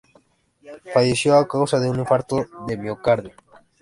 Falleció a causa de un infarto de miocardio.